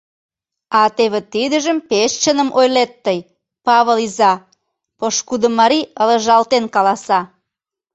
— А теве тидыжым пеш чыным ойлет тый, Павыл иза! — пошкудо марий ылыжалтен каласа.